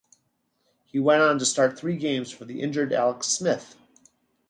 He went on to start three games for the injured Alex Smith.